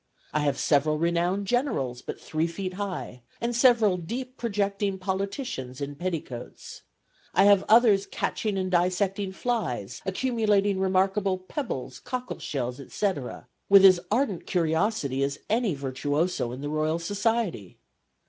I have several renowned generals but three feet high, and several deep projecting politicians in petticoats. I have others catching and dissecting flies, accumulating remarkable pebbles, cockle shells, etc., with as ardent curiosity as any virtuoso in the Royal Society.